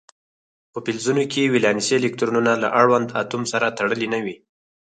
په فلزونو کې ولانسي الکترونونه له اړوند اتوم سره تړلي نه وي.